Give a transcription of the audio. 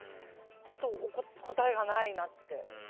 本当、答えがないなって。